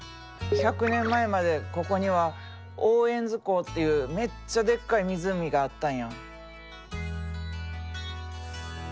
１００年前までここにはオーエンズ湖っていうめっちゃでっかい湖があったんや。